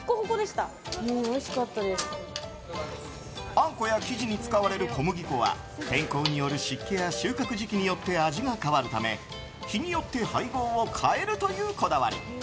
あんこや生地に使われる小麦粉は天候による湿気や収穫時期によって味が変わるため日によって配合を変えるというこだわり。